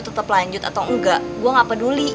tetap lanjut atau enggak gua gak peduli